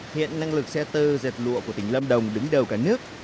hiện năng lực xe tơ dệt lụa của tỉnh lâm đồng đứng đầu cả nước